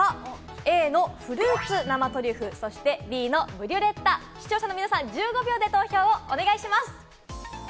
Ａのフルーツ生トリュフ、そしてＢのブリュレッタ、視聴者の皆さん、１５秒で投票をお願いします。